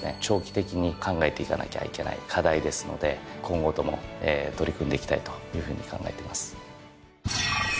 長期的に考えていかなきゃいけない課題ですので今後とも取り組んでいきたいというふうに考えてます。